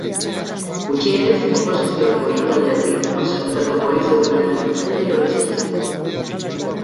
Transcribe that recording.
Gutxienez oposizioko hiru alderdik osatutako koalizio bat beharko litzateke hori saihesteko.